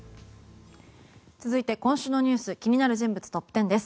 続いて今週の気になる人物トップ１０です。